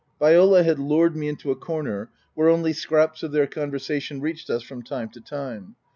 Viola had lured me into a corner where only scraps of their conversation reached us from time to time.